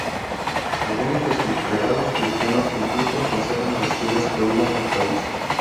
Algunos de sus prelados cristianos incluso aconsejan a los fieles que huyan del país.